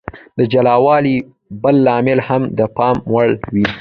د جلا والي بل لامل هم د پام وړ و.